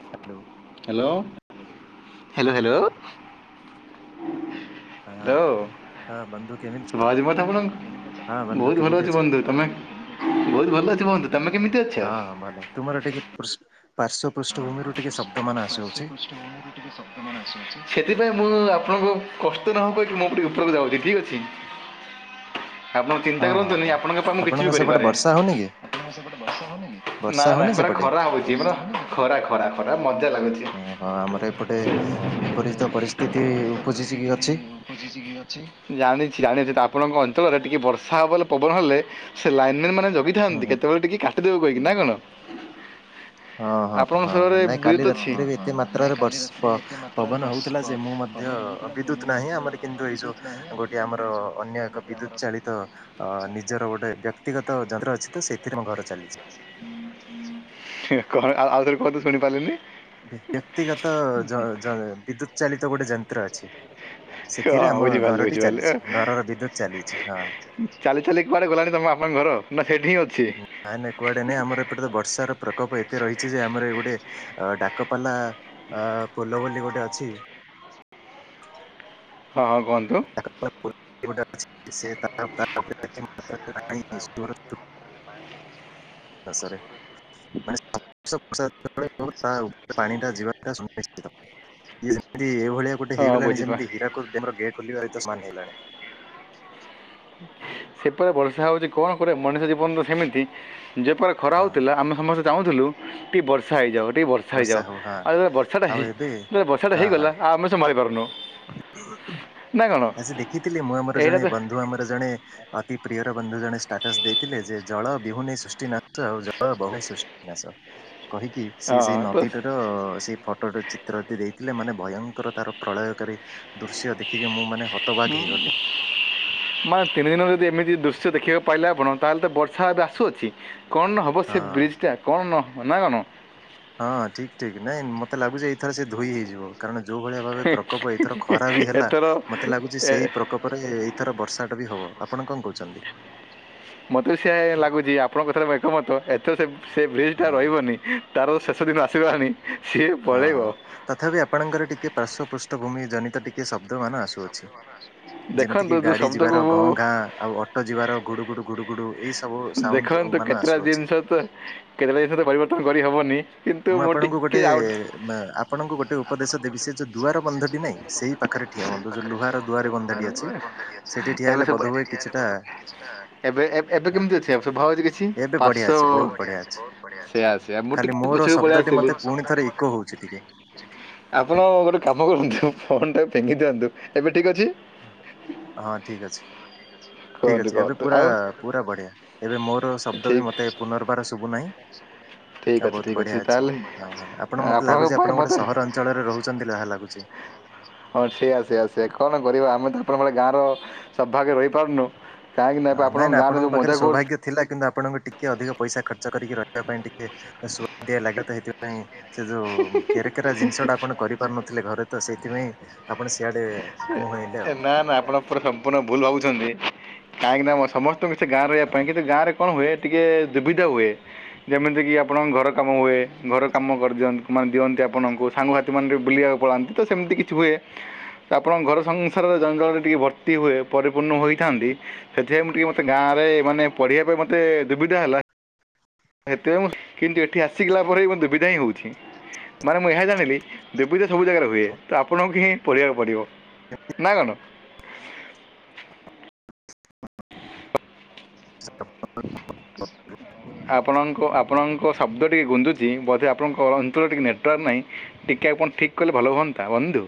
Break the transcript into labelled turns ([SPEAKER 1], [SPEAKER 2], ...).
[SPEAKER 1] Hello.
[SPEAKER 2] Hello hello hello.
[SPEAKER 1] ହଁ
[SPEAKER 2] hello
[SPEAKER 1] ହଁ ବନ୍ଧୁ କେମିତି
[SPEAKER 2] ଶୁଣା ଯାଉଛି ମୋ କଥା
[SPEAKER 1] ହଁ
[SPEAKER 2] ଅପଣଙ୍କୁ।
[SPEAKER 1] ବନ୍ଧୁ
[SPEAKER 2] ବହୁତ ଭଲ
[SPEAKER 1] କେମିତି
[SPEAKER 2] ଅଛି
[SPEAKER 1] ଅଛ?
[SPEAKER 2] ବନ୍ଧୁ ତମେ ବହୁତ ଭଲ ଅଛ ବନ୍ଧୁ ତମେ କେମିତି ଅଛ?
[SPEAKER 1] ହଁ ହଁ ଭଲ ତୁମର ଟିକେ ପୃ ପାର୍ଶ୍ଵ ପୃଷ୍ଠଭୂମିରୁ ଟିକେ ଶବ୍ଦମାନ ଆସି ଯାଉଅଛି।
[SPEAKER 2] ସେଥିପାଇଁ ମୁଁ ଆପଣଙ୍କ କଷ୍ଟ ନ କହିକି ମୁଁ ଗୋଟେ ଉପରକୁ ଯାଉଛିି ଠିକ୍ ଅଛି।
[SPEAKER 1] ହ
[SPEAKER 2] ଆପଣ ଚିନ୍ତା କରନ୍ତୁନି ଆପଣଙ୍କ ସହ ମୁଁ କିଛି ବି
[SPEAKER 1] ସେପଟେ
[SPEAKER 2] କରିପାରେ?
[SPEAKER 1] ବର୍ଷା ହଉନି କି ବର୍ଷା
[SPEAKER 2] ନାଁ ନାଁ
[SPEAKER 1] ହଉନି ସେପଟେ
[SPEAKER 2] ଖରା ହଉଛି ଖରା ଖରା ଖରା ମଜା ଲାଗୁଛି।
[SPEAKER 1] ଓହୋ ଆମର ଏପଟେ ବିପରୀତ ପରିସ୍ଥିତି ଉପୁଜିଛି କି ଅଛି?
[SPEAKER 2] ଜାଣିଛି ଜାଣିଛି ତ ଆପଣଙ୍କ ଅଞ୍ଚଳରେ ଟିକେ ବର୍ଷା ହବ ବଲେ ପବନ ହେଲେ ସେ ଲାଇନ ମାନ୍ ମାନେ
[SPEAKER 1] ହୁଁ
[SPEAKER 2] ଜଗିଥାନ୍ତି କେତେବେଳେ ଟିକେ କାଟିଦେବେ କହିକି ନା କଣ?
[SPEAKER 1] ହଁ ହଁ
[SPEAKER 2] ଆପଣଙ୍କ
[SPEAKER 1] ହଁ
[SPEAKER 2] ସହରରେ
[SPEAKER 1] ନାଇଁ କାଲି
[SPEAKER 2] ବିଦ୍ୟୁତ୍ ଅଛି
[SPEAKER 1] ରାତିରେ ବି ଏତେ ମାତ୍ରାରେ ବର୍ଷ ପ ପବନ ହଉଥିଲା ଯେ ମୁଁ ମଧ୍ୟ ମଧ୍ୟ ବିଦ୍ୟୁତ ନାହିଁ ଆମର କିନ୍ତୁ ଏଇ ଯୋଉ ଗୋଟିଏ ଆମର ଅନ୍ୟ ଏକ ବିଦ୍ୟୁତ ଚାଳିତ ଅ ନିଜର ଗୋଟେ ବ୍ୟକ୍ତିଗତ ଯନ୍ତ୍ର ଅଛି ତ ସେଇଥିରେ ଆମ ଘର ଚାଲିଛି।
[SPEAKER 2] ହଁ ଆଉ ଥରେ କୁହନ୍ତୁ ତ ଶୁଣି ପାରିଲିନି।
[SPEAKER 1] ବ୍ୟକ୍ତିଗତ ଯ ଯ ବିଦ୍ୟୁତ ଚାଳିତ ଗୋଟେ ଯନ୍ତ୍ର ଅଛି। ସେଥିରେ
[SPEAKER 2] ହଁ
[SPEAKER 1] ଆମ
[SPEAKER 2] ବୁଝିପାରିଲି
[SPEAKER 1] ଘରଟି
[SPEAKER 2] ବୁଝିପାରିଲି ଏ,
[SPEAKER 1] ଚାଲିଛି ଘରର ବିଦ୍ୟୁତ ଚାଲିଛି ହଁ।
[SPEAKER 2] ଚାଲି ଚାଲିକି କୁଆଡ଼େ ଗଲାଣି ତମ ଆପଣଙ୍କ ଘର ନା ସେଠି ହିଁ ଅଛି?
[SPEAKER 1] ନାଇଁ ନାଇଁ କୁଆଡ଼େ ନାଇ ଆମର ଏପଟେ ତ ବର୍ଷାର ପ୍ରକୋପ ଏତେ ରହିଛି ଯେ ଆମର ଗୋଟେ ଡାକବାଲା ଅ ପୋଲ ବୋଲି ଗୋଟେ ଅଛି। ହଁ
[SPEAKER 2] ହଁ ହଁ କୁହ
[SPEAKER 1] [unintelligible] ଦେଶରେ ମାନେ [unintelligible] ବ ତା ଉପରେ ପାଣି ଟା ଯିବାଟା ସୁନିଶ୍ଚିତ ଯେମିତି ଏଇଭଳିଆ ଗୋଟେ
[SPEAKER 2] ହଁ
[SPEAKER 1] ହେଇ ଗଲାଣି
[SPEAKER 2] ବୁଝିପା
[SPEAKER 1] ଯେମତି ହୀରାକୁଦର ଡ୍ୟାମ୍ ଗେଟ ଖୋଲିବା ତ ସମାନ ହେଇ ଗଲାଣି।
[SPEAKER 2] ସେପଟ ବର୍ଷା ହଉଛି କଣ କରିବ ମଣିଷ ଜୀବନ ତ ସେମିତି ଯେପରି ଖରା
[SPEAKER 1] ହଁ
[SPEAKER 2] ହଉଥିଲା ଆମେ ସମସ୍ତେ ଚାହୁଥିଲୁ ଟିକେ ବର୍ଷା ହେଇଯାଉ ଟିକେ ବର୍ଷା ବର୍ଷା ହେଇଯାଉ
[SPEAKER 1] ହଉ ହଁ
[SPEAKER 2] ଆଉ ଯେବେ ବର୍ଷାଟା
[SPEAKER 1] ଆଉ
[SPEAKER 2] ହେଇ
[SPEAKER 1] ଏବେ
[SPEAKER 2] ବର୍ଷାଟା
[SPEAKER 1] ହଁ ହଁ।
[SPEAKER 2] ହେଇଗଲା ଆଉ ଆମେ ସେ ସମ୍ଭାଳି ପାରୁନୁ। ନା କ'ଣ
[SPEAKER 1] ଆଜି ଦେଖିଥିଲି, ମୁଁ ଆମର
[SPEAKER 2] ଏଇଟା
[SPEAKER 1] ଜଣେ
[SPEAKER 2] ତ
[SPEAKER 1] ବନ୍ଧୁ ଆମର ଜଣେ ଅତି ପ୍ରିୟର ବନ୍ଧୁ ଜଣେ ଷ୍ଟାଟସ ଦେଇଥିଲେ ଯେ- ଜଳ ବିହୁନେ ସୃଷ୍ଟିନାଶ, ଆଉ ଜଳ ବହୁ ସୃଷ୍ଟିନାଶ। କହିକି? ସିଏ ସେଇ
[SPEAKER 2] ହଁ ତ
[SPEAKER 1] ନଦୀଟାର ସେଇ ଫଟୋଟ ଚିତ୍ର ଯଦି ଦେଇଥିଲେ, ମାନେ ଭୟଙ୍କର ତାର ପ୍ରଳୟକାରୀ ଦୃଶ୍ୟ ଦେଖିକି ମୁଁ ମାନେ ହତବାଗ ହେଇଗଲି।
[SPEAKER 2] ତିନିଦିନ ଯଦି ଏମିତି ଦୃଶ୍ୟ ଦେଖିବାକୁ ପାଇଲେ ଆପଣ, ତାହେଲେ ତ ବର୍ଷା ଏବେ ଆସୁଅଛି କଣ ନ ହେବ? ହବ ସେ
[SPEAKER 1] ହଁ।
[SPEAKER 2] ବ୍ରିଜ୍ ଟା କଣ ନବ ନା କଣ?
[SPEAKER 1] ହଁ ଠିକ୍ ଠିକ୍, ନାଇଁ ମତେ ଲାଗୁଛି ଏଇଥରେ ସେ ଧୋଇ ହେଇଯିବ ଆଉ କାରଣ ଯେଉଁ ଭଳିଆ ଭାବେ ପ୍ରକୋପ ଏଇଥର ଖରା ବି ହେଲା,
[SPEAKER 2] ଏଥର
[SPEAKER 1] ମୋତେ ଲାଗୁଛି
[SPEAKER 2] ଏ,
[SPEAKER 1] ସେହି ପ୍ରକୋପ ପରେ ଏଇଥର ବର୍ଷାଟା ବି ହବ, ଆପଣ କଣ କହୁଛନ୍ତି
[SPEAKER 2] ମତେ ବି ସେ ଲାଗୁଛି, ଆପଣଙ୍କ କଥାରେ ଏକମତ, ଏଥର ସେ ସେ ବ୍ରିଜ ଟା
[SPEAKER 1] ହଁ।
[SPEAKER 2] ରହିବନି। ତାର [unintelligible] ଶେଷ ଦିନ ଆସି ଗଲାଣି।
[SPEAKER 1] ହଁ ହଁ ତଥାପି ଆପଣଙ୍କର ଟିକେ ପାର୍ଶ୍ଵ ପୃଷ୍ଠଭୂମି ଜନିତ ଟିକେ ଶବ୍ଦ ମାନ ଆସୁଅଛି। ଯେମିତି
[SPEAKER 2] ଦେଖନ୍ତୁ
[SPEAKER 1] କିି,
[SPEAKER 2] ଯେଉଁ
[SPEAKER 1] ଗାଡି
[SPEAKER 2] ଶବ୍ଦକୁ
[SPEAKER 1] ଯିବାର
[SPEAKER 2] ମୁଁ
[SPEAKER 1] ଗ ଗାଁ, ଆଉ ଅଟୋ ଯିବାର ଗୁଡୁ ଗୁଡୁ ଗୁଡୁୁ ଗୁଡୁ ଏଇ ସବୁ ସାଉଣ୍ଡ ମାନ ଆସୁଅଛି।
[SPEAKER 2] [unintelligible] କେତେବେଳେ ଜିନଷ ତ ପରିବର୍ତନ କରି ହବନି?
[SPEAKER 1] ମୁଁ ଆପଣଙ୍କୁ ଗୋଟେ, ଆପଣଙ୍କୁ ଗୋଟେ ଉପଦେଶ ଦେବି, ସେ ଯେଉଁ ଦୁଆର ବନ୍ଧଟି ନାହିଁ, ସେଇ ପାଖରେ ଠିଆ ହୁଅନ୍ତୁ, ଯୋଉ ଲୁହାର ର ଦୁଆର ବନ୍ଧଟି ଅଛି, ସେଠି ଠିଆ
[SPEAKER 2] ଏବେ
[SPEAKER 1] ହେଲେ
[SPEAKER 2] ସବୁ
[SPEAKER 1] ବୋଧ ହୁଏ କିଛିଟା
[SPEAKER 2] ଏବେ ଏବେ
[SPEAKER 1] ହଁ
[SPEAKER 2] କେମିତି ଅ ସେ ଶୁଭା ଯାଉଛି କିଛି
[SPEAKER 1] ଏବେ ବଢ଼ିଆ ଅଛି
[SPEAKER 2] ପାଞ୍ଚଶହ,
[SPEAKER 1] ବହୁତ ବଢ଼ିଆ ଅଛି।
[SPEAKER 2] ସେୟା ମୁଁ
[SPEAKER 1] ଖାଲି
[SPEAKER 2] ଟିକେ
[SPEAKER 1] ମୋର
[SPEAKER 2] ପଛ ଶବଦ
[SPEAKER 1] ଶବ୍ଦଟି
[SPEAKER 2] ଟି ମୋତେ
[SPEAKER 1] ମତେ ପୁଣି ଥରେ ଇକୋ
[SPEAKER 2] ବହୁତ
[SPEAKER 1] ହଉଛି ଟିକେ
[SPEAKER 2] ଆପଣ ଗୋଟେ କାମ କରନ୍ତୁ, ଫୋନ ଟା ଫିଙ୍ଗି ଦିଅନ୍ତୁ, ଏବେ ଠିକ ଅଛି।
[SPEAKER 1] ହଁ ଠିକ ଅଛି, ଠିକ
[SPEAKER 2] କୁହନ୍ତୁ
[SPEAKER 1] ଅଛି, ଏବେ
[SPEAKER 2] କୁହନ୍ତୁ ଠିକ୍
[SPEAKER 1] ପୁରା
[SPEAKER 2] ଆଉ ଅଛି,
[SPEAKER 1] ପୁରା ବଢିଆ। ଏବେ ମୋର ଶବ୍ଦ ବି
[SPEAKER 2] ଠିକ୍
[SPEAKER 1] ମୋତେ ପୁନର୍ବାର ଶୁଭୁନାହିଁ।
[SPEAKER 2] ଠିକ୍
[SPEAKER 1] ଆଉ
[SPEAKER 2] ଅଛି
[SPEAKER 1] ବହୁତ
[SPEAKER 2] ଠିକ୍
[SPEAKER 1] ବଢିଆ ଅଛି,
[SPEAKER 2] ତାହେଲେ ବଢିଆ।
[SPEAKER 1] ହଁ ହଁ ଆପଣ ମତେ
[SPEAKER 2] ଆପଣଙ୍କ
[SPEAKER 1] ଲାଗୁଛି
[SPEAKER 2] ପାଇଁ
[SPEAKER 1] ଆପଣ ଗୋଟେ
[SPEAKER 2] ମୋତେ
[SPEAKER 1] ସହର ଞ୍ଚଳରେ ରହୁଛନ୍ତି, ଯାହା ଲାଗୁଛି।
[SPEAKER 2] ହଁ ଠିକଆସ ଆସେ କଣ କରିବା ଆମେ ତ ଆପଣଙ୍କ ଭଳି ଗାଁର ସବଭାଗରେ ରହିପାରୁନୁ କାହିଁକି ନାଁ
[SPEAKER 1] ହଁ ନାଇଁ
[SPEAKER 2] ଆପଣଙ୍କ
[SPEAKER 1] ନାଇଁ
[SPEAKER 2] ଗାଁ ରେ ଯୋଉ
[SPEAKER 1] ପାଖରେ
[SPEAKER 2] ମଜା କରୁ
[SPEAKER 1] ସୌଭାଗ୍ୟ ଥିଲା କିନ୍ତୁ ଆପଣଙ୍କୁ ଟିକିଏ ଅଧିକ ପଇସା ଖର୍ଚ୍ଚ କରିକି ରହିବା ପାଇଁ ଟିକେ ସୁଆଦ ଦିଆଦିଆ ଲାଗେତ ହେଇଥିବ। ଥି ପାଇଁ, ସେ ଯୋଉ କେରା କେରା ଜିନିଷ ଟା ଆପଣ କରିପାରୁନଥିଲେ ଘରେ ତ, ସେଇଥିପାଇଁ ଆପଣ ସିଆଡେ ମୁହେଁଇଲେ ଆଉ
[SPEAKER 2] ନା ନା ଆପଣ ସମ୍ପୂର୍ଣ୍ଣ ଭୁଲ ଭାବୁଛନ୍ତି, କାହିଁକି ନା ମୁଁ ସମସ୍ତଙ୍କୁ ସେ ଗାଁ ରହିବା ପାଇଁ କିନ୍ତୁ ଗାଁରେ କଣ ହୁଏ? ଟିକିଏ ସୁବିଧା ହୁଏ, ଯେମିତିକି ଆପଣ ଘର କାମ ହୁଏ ଘର କାମ କରିଦିଅନ ମାନେ ଦିଅନ୍ତି ଆପଣଙ୍କୁ, ସାଙ୍ଗସାଥି ମ ବି ବୁଲିବାକୁ ପଳାନ୍ତି ତ, ସେମିତି କିଛି ହୁଏ। ଆପଣଙ୍କ ଘର ସଂସାରରେ ଜଞ୍ଜାଳରେ ଟିକିଏ ଭର୍ତ୍ତି ହୁଏ, ପରିପୂର୍ଣ୍ଣ ହୋଇଥାନ୍ତି। ସେଥିପାଇଁ ମୁଁ ଟିକେ ମତେ ଗାଁରେ ମାନେ ପଢିବା ପାଇଁ ମତେ ଦୁବିଧା ହେଲା। ସେତ ମୁଁ କିନ୍ତୁ ଏଠି ଆସିଗଲା ପରେ ବି ଦୁବିଧା ହିଁ ହଉଛି। ମାନେ ମୁଁ ଏହା ଜାଣିଲି, ଦୁଵିଧା ସବୁ ଜାଗାରେ ହୁଏ, ତ ଆପଣଙ୍କୁ ହିଁ ପଢିବାକୁ ପଡିବ। ନା କଣ?
[SPEAKER 1] [unintelligible]
[SPEAKER 2] ଆପଣଙ୍କ ଆପଣଙ୍କ ଶବ୍ଦ ଟିକେ ଗୁଧୁଛି, ବୋଧେ ଆପଣଙ୍କ ଅଞ୍ଚଳ ଟିକେ ନେଟୱାର୍କ ନାହିଁ। ଟିକେ ଆପଣ ଠିକ୍ କଲେ ଭଲ ହୁଅନ୍ତା ବନ୍ଧୁ।